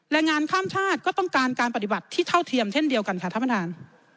แรงงานข้ามชาติก็ต้องการการปฏิบัติที่เท่าเทียมเช่นเดียวกันค่ะท่านประธาน